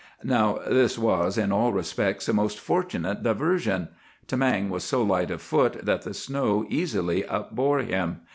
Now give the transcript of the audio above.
] "Now, this was in all respects a most fortunate diversion. Tamang was so light of foot that the snow easily upbore him.